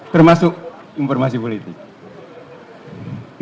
termasuk informasi politik